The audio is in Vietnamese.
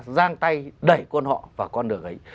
giang tay đẩy con họ vào con đường ấy